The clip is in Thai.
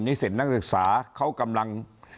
นิเศษนักศึกษาเขากำลัง